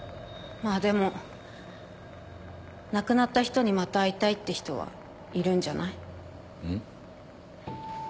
まぁでも亡くなった人にまた会いたいって人はいるんじゃない？ん？